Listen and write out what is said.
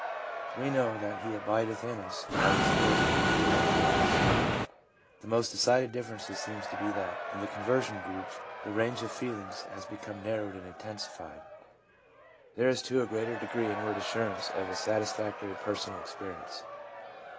i We know that He abideth in us by the spirit He hath given us/ The most decided difference seems to be that in the conversion group the range of feel ing has become narrowed and intensified ; there is to a greater degree inward assurance of a satisfactory personal experience.